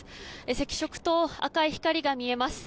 赤色灯、赤い光が見えます。